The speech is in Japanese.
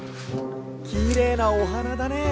きれいなおはなだね。